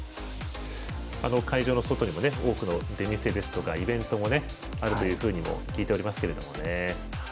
会場の外にも多くの出店ですとかイベントもあるというふうに聞いておりますけれども。